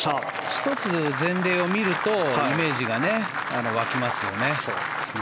１つ前例を見るとイメージが湧きますよね。